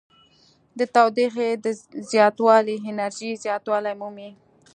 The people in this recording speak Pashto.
د تودوخې زیاتوالی انرژي زیاتوالی مومي.